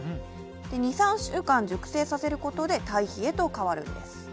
２３週間熟成させることで堆肥へと変わるんです。